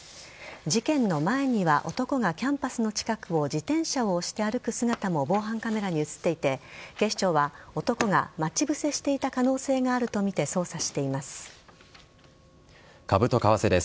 事件の前には男がキャンパスの近くを自転車を押して歩く姿も防犯カメラに映っていて警視庁は男が待ち伏せしていた可能性があるとみて捜査しています。